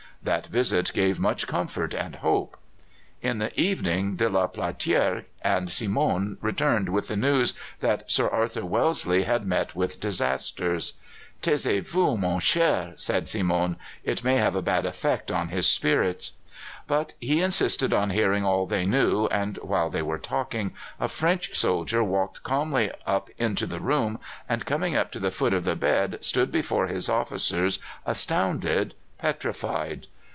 That visit gave much comfort and hope. In the evening de la Platière and Simon returned with the news that Sir Arthur Wellesley had met with disasters. "Taisez vous, mon cher," said Simon. "It may have a bad effect on his spirits." But he insisted on hearing all they knew, and while they were talking a French soldier walked calmly up into the room, and coming up to the foot of the bed, stood before his officers, astounded, petrified.